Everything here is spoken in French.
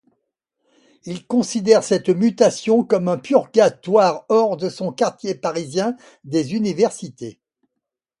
Il considère cette mutation comme un purgatoire hors de son quartier parisien des universités.